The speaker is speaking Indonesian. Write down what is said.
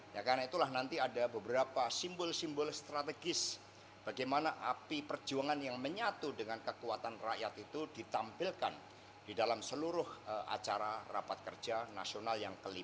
ya karena itulah nanti ada beberapa simbol simbol strategis bagaimana api perjuangan yang menyatu dengan kekuatan rakyat itu ditampilkan di dalam seluruh acara rapat kerja nasional yang kelima